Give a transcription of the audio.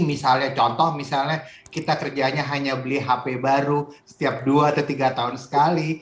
misalnya contoh misalnya kita kerjanya hanya beli hp baru setiap dua atau tiga tahun sekali